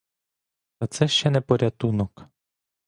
Та це ще не порятунок.